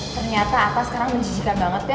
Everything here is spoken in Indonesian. ternyata aku sekarang mencicikan banget ya